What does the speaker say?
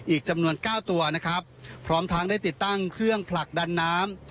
อีกจำนวนเก้าตัวนะครับพร้อมทั้งได้ติดตั้งเครื่องผลักดันน้ำ